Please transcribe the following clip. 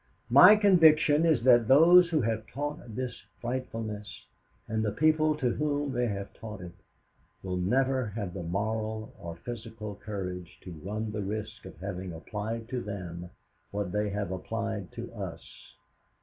My conviction is that those who have taught this frightfulness, and the people to whom they have taught it, will never have the moral or physical courage to run the risk of having applied to them what they have applied to us.